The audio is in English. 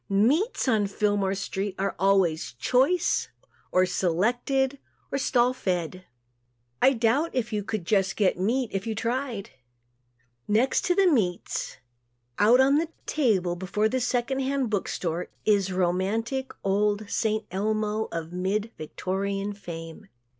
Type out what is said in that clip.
Meats, on Fillmore street, are always "choice" or "selected" or "stall fed." I doubt if you could get just "meat" if you tried. Next to the meats, out on a table before a second hand book store is romantic, old "St. Elmo" of mid Victorian fame.